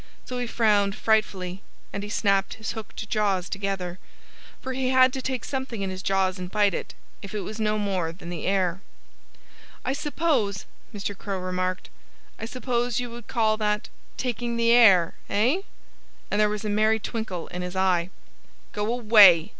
So he frowned frightfully. And he snapped his hooked jaws together, for he had to take something in his jaws and bite it, if it was no more than the air. "I suppose" Mr. Crow remarked "I suppose you would call that taking the air, eh?" And there was a merry twinkle in his eye. "Go away!"